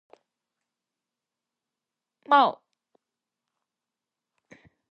Mao".